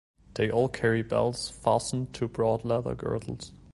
They all carry bells fastened to broad leather girdles.